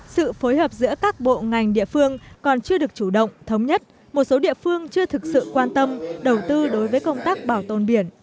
sự phối hợp giữa các bộ ngành địa phương còn chưa được chủ động thống nhất một số địa phương chưa thực sự quan tâm đầu tư đối với công tác bảo tồn biển